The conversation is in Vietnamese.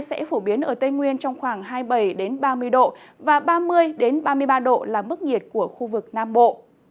sẽ phổ biến ở tây nguyên trong khoảng hai mươi bảy ba mươi độ và ba mươi ba mươi ba độ là mức nhiệt của khu vực nam bộ